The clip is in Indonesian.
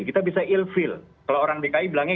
kita bisa ill feel kalau orang dki bilangnya